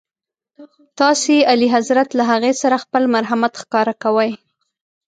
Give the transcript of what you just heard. تاسي اعلیحضرت له هغې سره خپل مرحمت ښکاره کوئ.